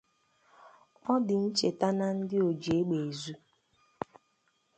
Ọ dị ncheta na ndị ojiegbeezu